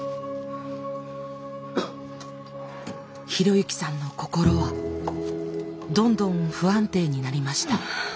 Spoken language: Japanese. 啓之さんの心はどんどん不安定になりました。